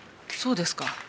そうですか。